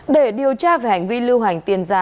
để điều tra về hành vi lưu hành tiền giả